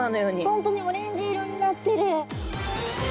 本当にオレンジ色になってる。